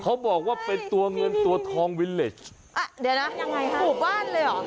เขาบอกว่าเป็นตัวเงินตัวทองวิลเลสอ่ะเดี๋ยวนะยังไงฮะหมู่บ้านเลยเหรอ